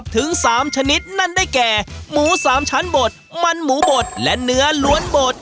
ถึง๓ชนิดนั่นได้แก่หมูสามชั้นบดมันหมูบดและเนื้อล้วนบด